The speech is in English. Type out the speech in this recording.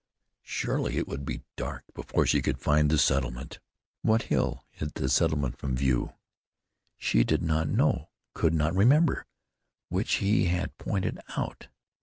Surely it would be dark before she could find the settlement. What hill hid the settlement from view? She did not know, could not remember which he had pointed out.